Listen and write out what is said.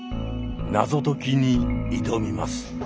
謎解きに挑みます。